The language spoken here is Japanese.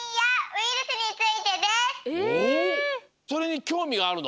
それにきょうみがあるの？